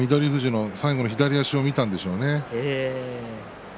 富士の最後左足を見たんでしょうね。